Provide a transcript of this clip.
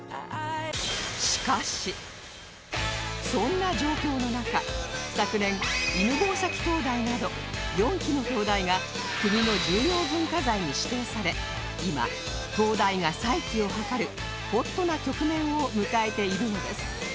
そんな状況の中昨年犬吠埼灯台など４基の灯台が国の重要文化財に指定され今灯台が再起を図るホットな局面を迎えているのです